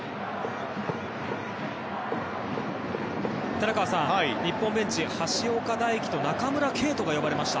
寺川さん、日本ベンチ橋岡大樹と中村敬斗が呼ばれました。